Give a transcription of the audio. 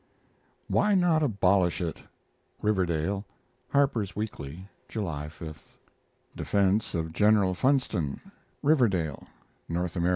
WHY NOT ABOLISH IT? (Riverdale) Harper's Weekly, July 5. DEFENSE OF GENERAL FUNSTON (Riverdale) N. A.